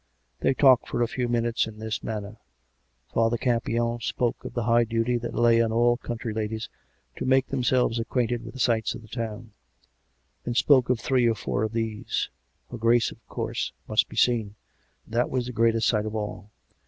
They talked for a few minutes in this manner. Father Campion spoke of the high duty that lay on all country ladies to make themselves acquainted with the sights of the town ; and spoke of three or four of these. Her Grace, of course, must be seen; that was the greatest sight of all.